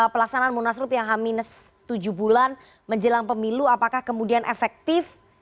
pelaksanaan munaslup yang h tujuh bulan menjelang pemilu apakah kemudian efektif